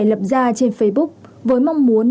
lập ra trên facebook với mong muốn